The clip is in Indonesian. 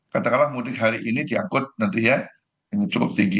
kata kalah pemudik hari ini diangkut nanti ya yang cukup tinggi